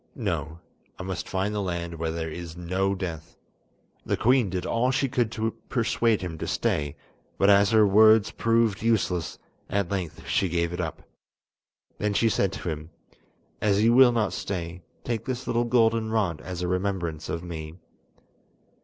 No, I must find the land where there is no death." The queen did all she could to persuade him to stay, but as her words proved useless, at length she gave it up. Then she said to him: "As you will not stay, take this little golden rod as a remembrance of me.